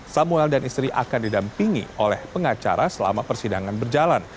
samuel dan istri akan didampingi oleh pengacara selama persidangan berjalan